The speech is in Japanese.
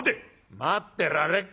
「待ってられっか。